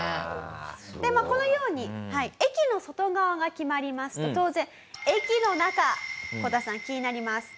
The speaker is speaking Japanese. でまあこのように駅の外側が決まりますと当然駅の中こたさん気になります。